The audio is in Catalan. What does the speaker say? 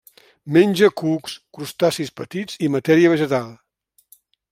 Menja cucs, crustacis petits i matèria vegetal.